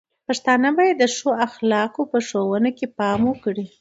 پښتانه بايد د ښو اخلاقو په ښوونه کې پام وکړي.